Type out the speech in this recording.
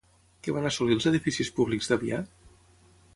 Què van assolir els edificis públics d'Avià?